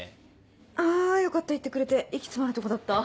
あよかった言ってくれて息詰まるとこだった。